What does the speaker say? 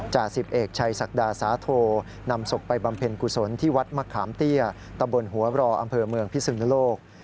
จ่าสิบเอกชัยศักดาสาโทนำศพไปบำเพ็ญกุศลที่วัดมะขามเตี้ยตำบลหัวรออำเภอเมืองพิสุนโลก